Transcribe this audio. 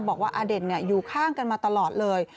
บอกว่าอเด่นอยู่ข้างกันมาตลอดเลย